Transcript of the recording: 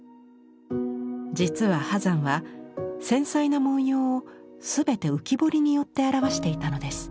実は波山は繊細な文様を全て浮き彫りによって表していたのです。